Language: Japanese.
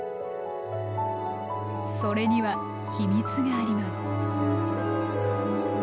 それには秘密があります。